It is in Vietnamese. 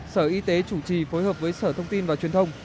sở y tế chủ trì phối hợp với sở thông tin và truyền thông